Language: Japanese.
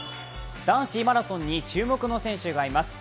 男子マラソンに注目の選手がいます。